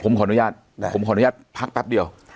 ผมขออนุญาตพักแป๊บเดียว